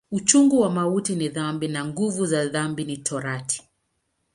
Uchungu wa mauti ni dhambi, na nguvu za dhambi ni Torati.